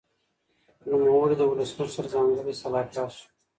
نوموړي د ولسمشر ځانګړی سلاکار شو.